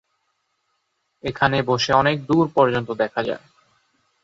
এখানে বসে অনেক দূর পর্যন্ত দেখা যায়।